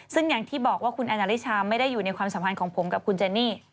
ซึ่งอย่างที่บอกว่าคุณแอนนาฬิชาไม่ได้อยู่ในความสัมพันธ์ของผมกับคุณเจนี่